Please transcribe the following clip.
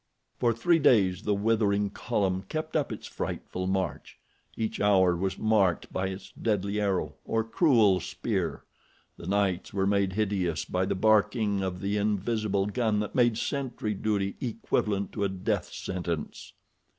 For three days the withering column kept up its frightful march. Each hour was marked by its deadly arrow or cruel spear. The nights were made hideous by the barking of the invisible gun that made sentry duty equivalent to a death sentence.